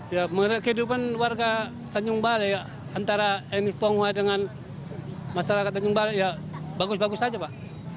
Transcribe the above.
ya mengenai kehidupan warga tanjung balai antara etnis tionghoa dengan masyarakat tanjung balai ya bagus bagus saja pak